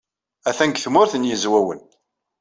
Atan deg Tmurt n Yizwawen.